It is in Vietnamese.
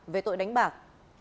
về tội đánh bạc